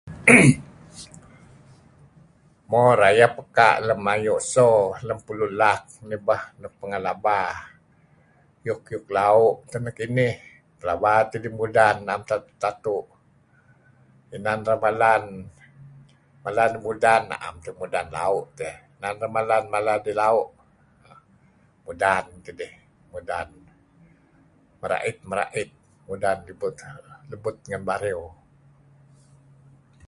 Mo rayeh peka' lem ayu' eso lam pulu so nuk laba. Iyuk-iyuk lau'teh nekinih pelaba tidih mudan am tatu' inan ramalan mala neh mudan am tieh mudan lau' tieh keyh. Ramalan mala dih lau' mudan tidih. Mudan merait merait, mudan ribut ngen bario.